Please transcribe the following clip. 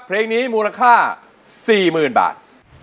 เพลงนี้มูลค่า๔๐๐๐บาท